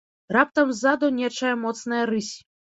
Раптам ззаду нечая моцная рысь.